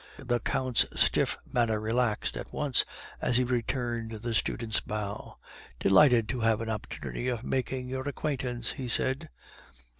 The Count's stiff manner relaxed at once as he returned the student's bow. "Delighted to have an opportunity of making your acquaintance," he said.